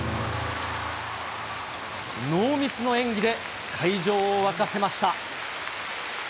ノーミスの演技で会場を沸かせました。